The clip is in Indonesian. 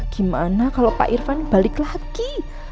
gimana kalau pak irfan balik lagi